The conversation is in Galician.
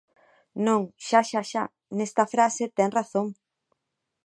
Non, xa, xa, xa, nesta frase ten razón.